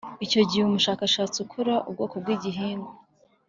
Icyo gihe umushakashatsi ukora ubwoko bw ibihingwa